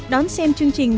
đón xem chương trình